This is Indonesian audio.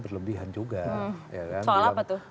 berlebihan juga soal apa tuh